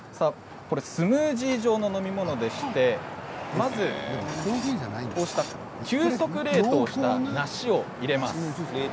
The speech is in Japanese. スムージー状の飲み物でしてまず急速冷凍した梨を入れます。